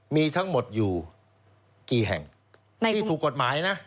มีทั้งหมดอยู่กี่แห่งที่ถูกกฎหมายนะ